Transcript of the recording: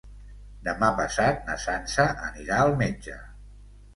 Demà passat na Sança anirà al metge.